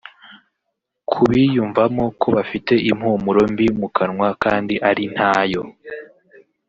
Ku biyumvamo ko bafite impumuro mbi mu kanwa kandi ari ntayo